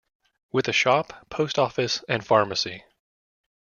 With a shop, post office and pharmacy.